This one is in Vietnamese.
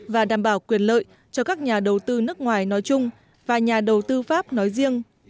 và đảm bảo quyền lợi cho các nhà đầu tư nước ngoài nói chung và nhà đầu tư pháp nói riêng